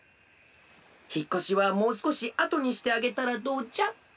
ひっこしはもうすこしあとにしてあげたらどうじゃ？